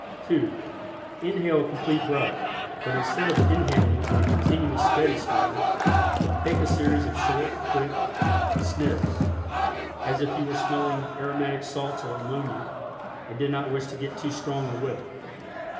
(2) Inhale a Complete Breath, but instead of inhaling in a continuous steady stream, take a series of short, quick "sniffs," as if you were smelling aromatic salts or ammonia and did not wish to get too strong a "whiff."